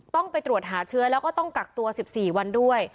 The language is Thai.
ต้องไปตรวจหาเชื้อแล้วก็ต้องกักตัว๑๔วันด้วย